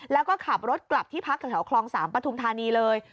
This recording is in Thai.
แล้วก็ขับรถกลับที่พักแถวคลอง๓ปฐุมธานีเลย